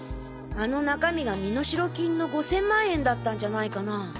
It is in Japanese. あの中身が身代金の５０００万円だったんじゃないかな。